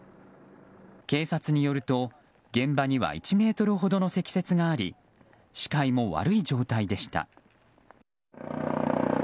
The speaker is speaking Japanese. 警察によると現場には１ｍほどの積雪があり視界も悪い状態でした。